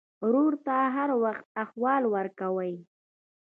ورور ته هر وخت احوال ورکوې.